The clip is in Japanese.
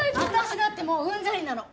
私だってもううんざりなの。